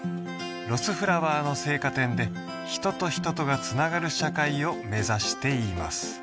ロスフラワーの生花店で人と人とがつながる社会を目指しています